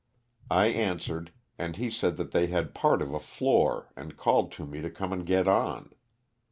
I answered and he said that they had part of a floor and called to me to come and get on.